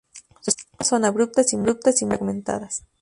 Sus formas son abruptas y muy fragmentadas.